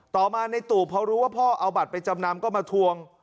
ต่อมาในตู่พอรู้ว่าพ่อเอาบัตรไปจำนำก็มาทวง